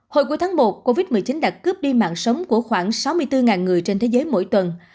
hồi cuối tháng một covid một mươi chín đã cướp đi mạng sống của khoảng sáu mươi bốn người trên thế giới mỗi tuần